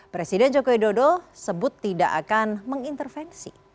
presiden joko widodo sebut tidak akan mengintervensi